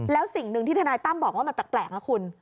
แล้วสิ่งหนึ่งที่ทนายตั้มบอกว่ามันแปลกนะคุณ